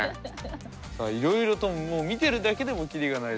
いろいろともう見てるだけでも切りがないですけど。